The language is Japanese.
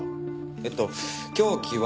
えっと凶器は。